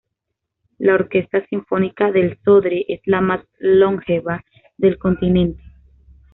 La Orquesta Sinfónica del Sodre es la más longeva del continente.